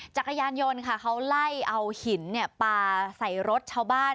จักรยานยนต์ค่ะเขาไล่เอาหินปลาใส่รถชาวบ้าน